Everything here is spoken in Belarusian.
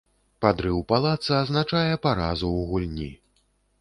Падрыў палаца азначае паразу ў гульні.